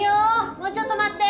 もうちょっと待って！